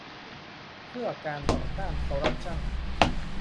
เพื่อการต่อต้านคอร์รัปชั่น